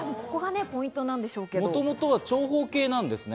もともとは長方形なんですね。